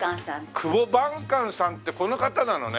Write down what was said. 久保板観さんってこの方なのね。